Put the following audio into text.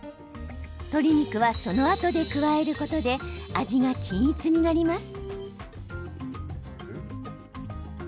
鶏肉はそのあとで加えることで味が均一になります。